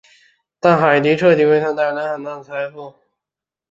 但海迪彻为他带来了很大的财富。